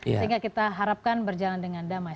sehingga kita harapkan berjalan dengan damai